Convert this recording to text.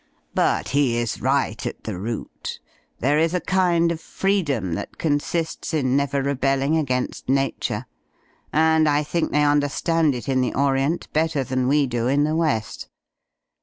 But he is right at the root There is a kind of freedom that consists in never rebelling against Nature; and I think they understand it in the Orient better than we do in the West.